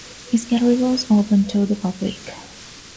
His gallery was open to the public.